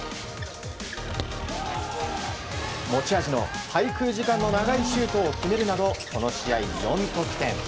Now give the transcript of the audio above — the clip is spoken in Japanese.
持ち味の滞空時間の長いシュートを決めるなどこの試合、４得点。